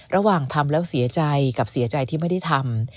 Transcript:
ระหว่างทำแล้วเสียใจกับเสียใจที่ไม่ได้ทำ